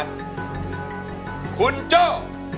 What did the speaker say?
ไม่ใช้